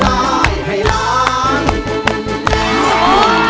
ได้ครับ